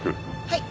はい。